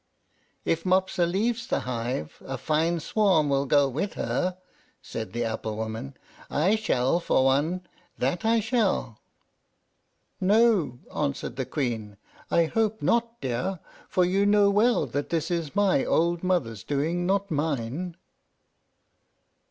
"If Mopsa leaves the hive, a fine swarm will go with her," said the apple woman. "I shall, for one; that I shall!" "No!" answered the Queen. "I hope not, dear; for you know well that this is my old mother's doing, not mine."